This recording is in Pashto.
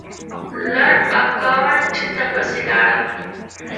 لنډ اکاونټ ته پسې لاړم